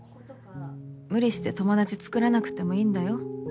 無理して友達つくらなくてもいいんだよ